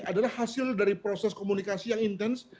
adalah hasil dari proses komunikasi yang intens